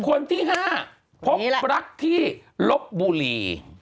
คนที่๕พบรักที่ลบบุรี